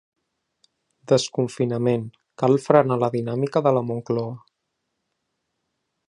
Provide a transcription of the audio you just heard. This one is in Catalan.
Desconfinament: cal frenar la dinàmica de la Moncloa